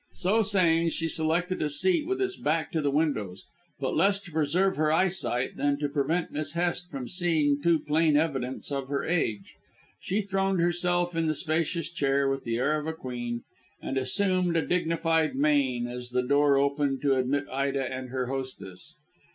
So saying she selected a seat with its back to the windows, but less to preserve her eyesight than to prevent Miss Hest from seeing too plain evidence of her age. She throned herself in the spacious chair with the air of a queen, and assumed a dignified mein as the door opened to admit Ida and her hostess.